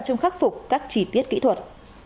trong khắc phục các chỉ tiết kỹ thuật